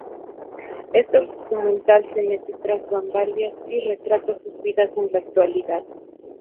Este documental se mete tras bambalinas y retrata sus vidas en la actualidad.